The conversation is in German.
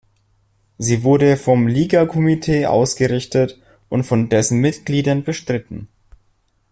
Sie wurde vom "Liga"-Komitee ausgerichtet und von dessen Mitgliedern bestritten.